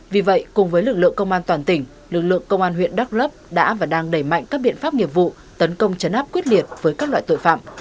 vì vậy cùng với lực lượng công an toàn tỉnh lực lượng công an huyện đắk lấp đã và đang đẩy mạnh các biện pháp nghiệp vụ tấn công chấn áp quyết liệt với các loại tội phạm